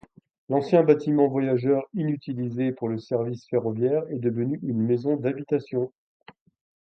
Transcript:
L'ancien bâtiment voyageurs inutilisé pour le service ferroviaire est devenu une maison d'habitation.